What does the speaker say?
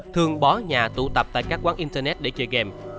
thường bó nhà tụ tập tại các quán internet để chơi game